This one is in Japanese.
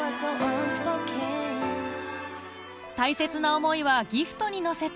大切な思いはギフトに乗せて